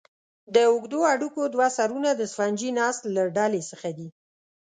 د اوږدو هډوکو دوه سرونه د سفنجي نسج له ډلې څخه دي.